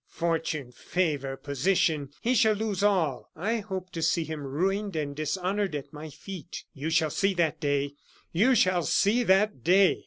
Fortune, favor, position he shall lose all! I hope to see him ruined and dishonored at my feet. You shall see that day! you shall see that day!"